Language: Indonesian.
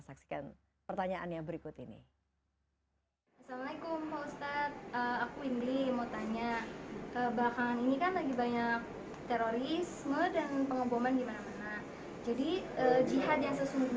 jadi jihad yang sesungguhnya di masa kini itu yang seperti apa